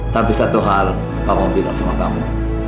tapi satu hal papa mau bilang sama kamu